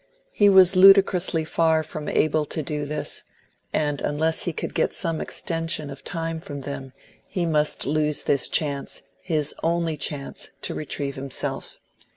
He was ludicrously far from able to do this; and unless he could get some extension of time from them, he must lose this chance, his only chance, to retrieve himself.